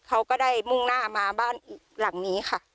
เขาก็ได้มุ่งหน้ามาบ้านอีกหลังนี้ค่ะ